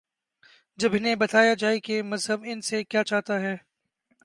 جب انہیں بتایا جائے کہ مذہب ان سے کیا چاہتا ہے۔